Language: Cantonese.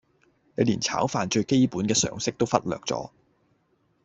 你連炒飯最基本嘅常識都忽略咗